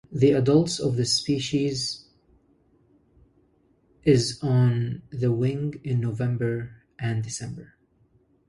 The adults of this species is on the wing in November and December.